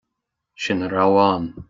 Sin a raibh ann.